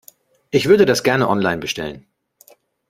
Ich würde das gerne online bestellen.